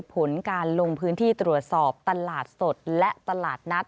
ผลการลงพื้นที่ตรวจสอบตลาดสดและตลาดนัด